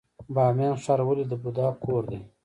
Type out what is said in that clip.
بامیان ښار ولې د بودا کور دی؟